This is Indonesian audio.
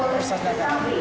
prosesnya agak lama